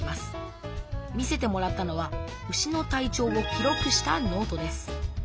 見せてもらったのは牛の体調を記録したノートです。